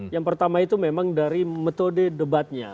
yang pertama itu memang dari metode debatnya